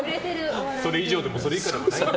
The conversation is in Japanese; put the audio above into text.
それ以上でもそれ以下でもない。